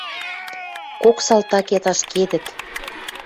Кок салтакет ашкедӹт.